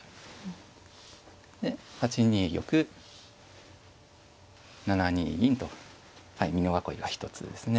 で８二玉７二銀と美濃囲いが一つですね。